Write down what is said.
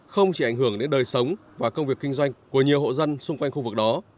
không chỉ ảnh hưởng đến đời sống và công việc kinh doanh của nhiều hộ dân xung quanh khu vực đó